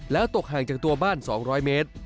แล้วตกห่างจากตัวบ้าน๒๐๐เมตร